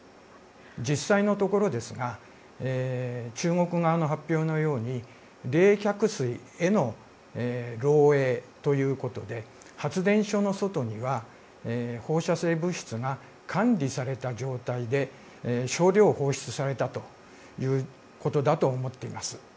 実際のところですが中国側の発表のように冷却水への漏洩ということで発電所の外には放射性物質が管理された状態で少量、放出されたということだと思っています。